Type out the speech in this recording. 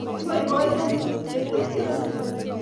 Ipoipoiton tukuk che tililen.